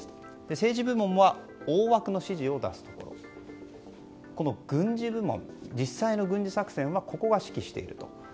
政治部門は大枠の指示を出すところ軍事部門、実際の軍事作戦はここが指揮していると。